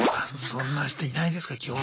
そんな人いないですか基本は。